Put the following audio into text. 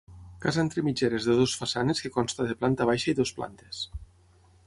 Casa entre mitgeres de dues façanes que consta de planta baixa i dues plantes.